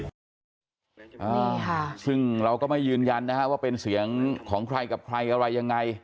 นี่ค่ะซึ่งเราก็ไม่ยืนยันนะฮะว่าเป็นเสียงของใครกับใครอะไรยังไง